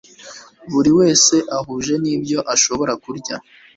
buri wese ahuje n'ibyo ashobora kurya